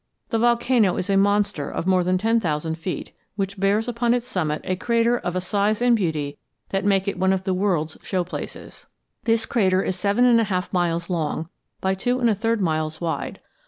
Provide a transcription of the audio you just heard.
The volcano is a monster of more than ten thousand feet, which bears upon its summit a crater of a size and beauty that make it one of the world's show places. This crater is seven and a half miles long by two and a third miles wide.